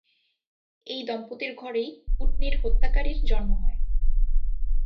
এই দম্পতির ঘরেই উটনীর হত্যাকারীর জন্ম হয়।